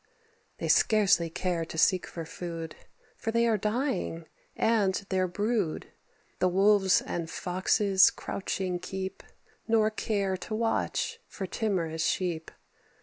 They scarcely care to seek for food, For they are dying, and their brood. The Wolves and Foxes crouching keep, Nor care to watch for timorous Sheep.